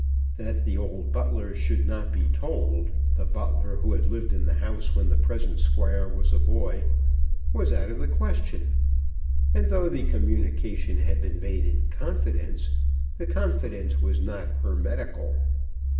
That the old butler should not be told, the butler who had lived in the house when the present Squire was a boy, was out of the question; and though the communication had been made in confidence, the confidence was not hermetical.